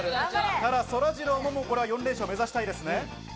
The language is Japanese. ただそらジローも４連勝を目指したいですね。